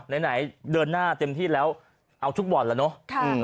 ไหนเดินหน้าเต็มที่แล้วเอาทุกบ่อนแล้วเนอะ